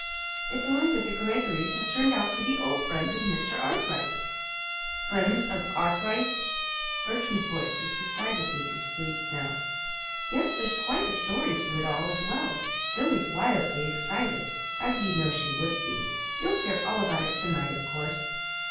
It's only that the Greggorys have turned out to be old friends of Mr. Arkwright's." "Friends of Arkwright's!" Bertram's voice was decidedly displeased now. "Yes; and there's quite a story to it all, as well. Billy is wildly excited, as you'd know she would be. You'll hear all about it to night, of course."